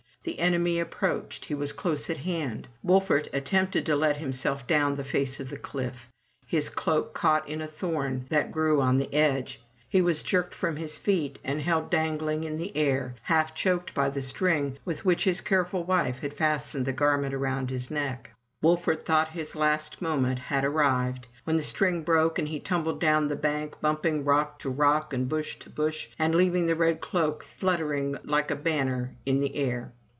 The enemy approached — he was close at hand. Wolfert at tempted to let himself down the face of the cliff. His cloak caught in a thorn that grew on the edge. He was jerked from off his feet, and held dangling in the air, half choked by the string with which his careful wife had fastened the garment around his neck. Wolfert thought his last moment had arrived; when the string broke, and he tumbled down the bank, bumping from rock to rock, and bush to bush, and leaving the red cloak fluttering like a banner in the air.